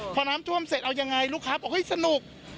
พอน้ำท่วมเสร็จเอายังไงลูกค้าบอกเฮ้ยสนุก